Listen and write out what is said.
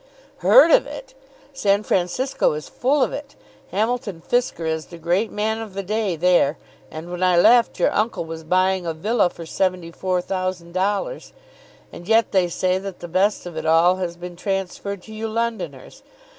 "Heard of it! San Francisco is full of it. Hamilton Fisker is the great man of the day there, and, when I left, your uncle was buying a villa for seventy four thousand dollars. And yet they say that the best of it all has been transferred to you Londoners.